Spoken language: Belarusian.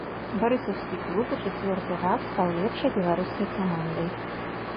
Барысаўскі клуб у чацвёрты раз стаў лепшай беларускай камандай.